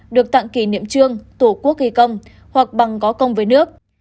được tặng kỷ niệm trương tổ quốc ghi công hoặc bằng có công với nước